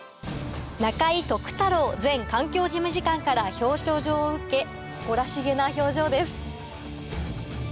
中井徳太郎環境事務次官から表彰状を受け誇らしげな表情です